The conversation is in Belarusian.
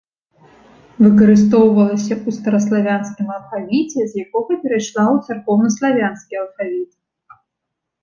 Выкарыстоўвалася ў стараславянскім алфавіце, з якога перайшла ў царкоўнаславянскі алфавіт.